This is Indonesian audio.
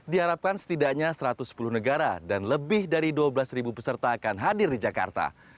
diharapkan setidaknya satu ratus sepuluh negara dan lebih dari dua belas peserta akan hadir di jakarta